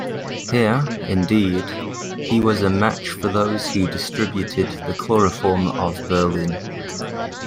Here, indeed, he was a match for those who distributed the chloroform of Berlin.